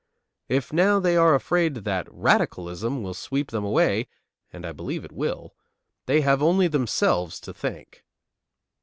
If now they are afraid that "radicalism" will sweep them away, and I believe it will, they have only themselves to thank.